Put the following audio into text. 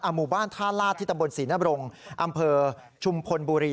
อ่าหมู่บ้านท่านราชที่ตะบลศรีนับรงค์อำเผอชุมพลบุรี